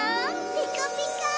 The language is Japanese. ピカピカ！